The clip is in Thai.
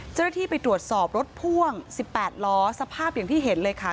เจ้าหน้าที่ไปตรวจสอบรถพ่วง๑๘ล้อสภาพอย่างที่เห็นเลยค่ะ